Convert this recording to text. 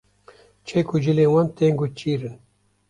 Çek û cilên wan teng û çîr in